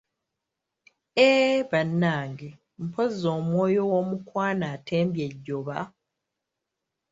Eeee bannange, mpozzi omwoyo w'omukwano antembye ejjoba.